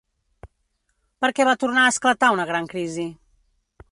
Per què va tornar a esclatar una gran crisi?